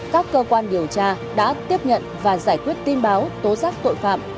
các cơ quan điều tra đã tiếp nhận và giải quyết tin báo tố giác tội phạm